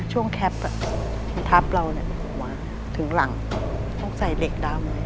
ช่วงมาถึงหลังต้องใส่เหล็กดำไง